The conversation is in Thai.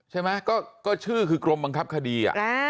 ใช่ไหมก็ชื่อคือกรมบังคับคดี